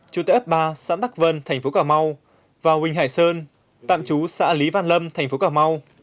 chủ tế ấp ba xã bắc vân tp cm và huỳnh hải sơn tạm chú xã lý văn lâm tp cm